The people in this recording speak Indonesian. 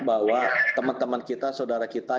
bahwa teman teman kita saudara kita